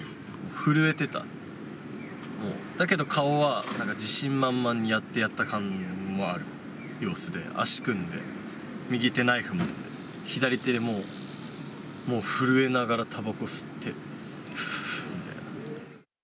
震えてた、顔はなんか自信満々にやってやった感もある様子で足組んで、右手ナイフ持って、左手でもう、震えながらたばこ吸って、ふーみたいな。